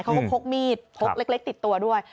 เขาก็พกมีดพกเล็กติดตัวด้วย